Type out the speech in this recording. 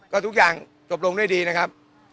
ก็ทุกอย่างจบลงด้วยดีนะครับ